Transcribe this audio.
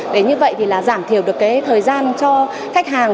để như vậy thì là giảm thiểu được cái thời gian cho khách hàng